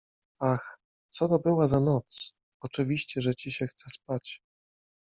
Ach, co to była za noc! Oczywiście, że ci się chce spać.